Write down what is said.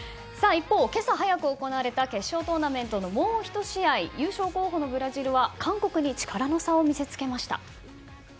一方、今朝早く行われた決勝トーナメントのもう１試合優勝候補のブラジルは韓国に力の差を見せつけました。